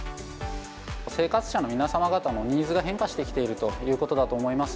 生活者の皆様方のニーズが変化してきているということだと思います。